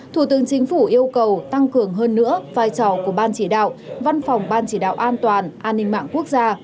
thủ tướng chính phủ yêu cầu tăng cường hơn nữa vai trò của ban chỉ đạo văn phòng ban chỉ đạo an toàn an ninh mạng quốc gia